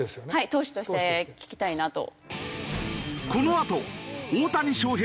投手として聞きたいなと。